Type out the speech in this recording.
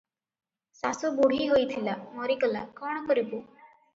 ଶାଶୁ ବୁଢ଼ୀ ହୋଇଥିଲା, ମରିଗଲା, କଣ କରିବୁ?